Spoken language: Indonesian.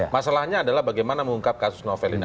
masalahnya adalah bagaimana mengungkap kasus novel ini